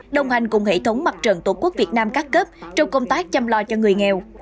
đồng hành cùng hệ thống mặt trận tổ quốc việt nam các cấp trong công tác chăm lo cho người nghèo